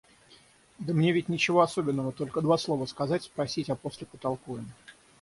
Да мне ведь ничего особенного, только два слова сказать, спросить, а после потолкуем.